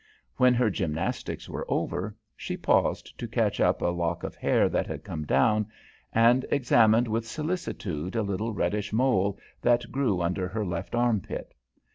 When her gymnastics were over, she paused to catch up a lock of hair that had come down, and examined with solicitude a little reddish mole that grew under her left arm pit.